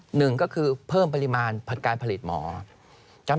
หนึ่งก็คือเพิ่มปริมาณการผลิตหมอ